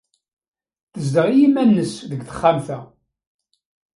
Tezdeɣ i yiman-nnes deg texxamt-a.